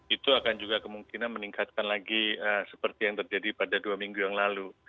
itu akan juga kemungkinan meningkatkan lagi seperti yang terjadi pada dua minggu yang lalu